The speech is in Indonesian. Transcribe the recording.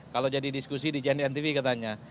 kalau jadi diskusi di jnn tv katanya